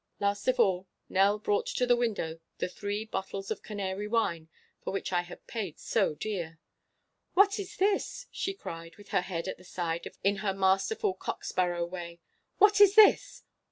Last of all Nell brought to the window the three bottles of Canary wine, for which I had paid so dear. 'What is this?' she cried, with her head at the side in her masterful cock sparrow way. 'What is this?